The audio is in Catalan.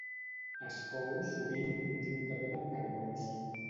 Es cou sovint conjuntament amb cargols